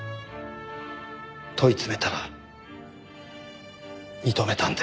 問い詰めたら認めたんです。